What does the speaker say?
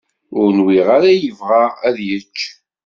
Ur nwiɣ ara yebɣa ad yečč.